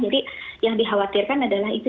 jadi yang dikhawatirkan adalah itu